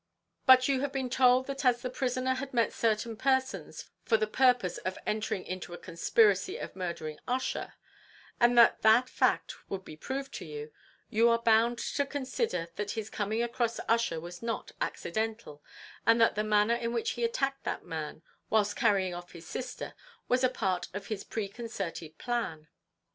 "But you have been told that as the prisoner had met certain persons for the purpose of entering into a conspiracy of murdering Ussher and that that fact would be proved to you you are bound to consider that his coming across Ussher was not accidental, and that the manner in which he attacked that man whilst carrying off his sister was a part of his preconcerted plan.